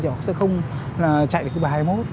thì họ sẽ không chạy được cái bài hai mươi một